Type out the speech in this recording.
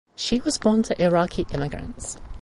She was born to Iraqi immigrants.